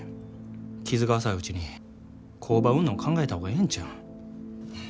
傷が浅いうちに工場売んの考えた方がええんちゃうん。